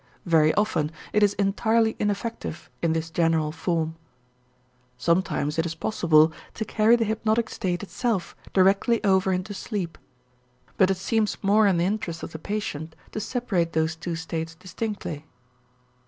Very often it is entirely ineffective in this general form. Sometimes it is possible to carry the hypnotic state itself directly over into sleep, but it seems more in the interest of the patient to separate those two states distinctly.